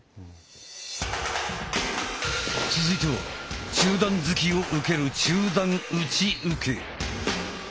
続いては中段突きを受ける中段内受け。